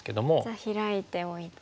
じゃあヒラいておいて。